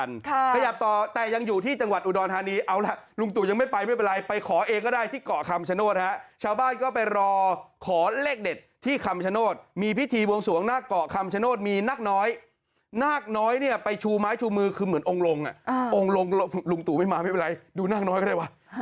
ลุงตู่ไม่มาไม่เป็นไรดูนากน้อยก็ได้ว่ะ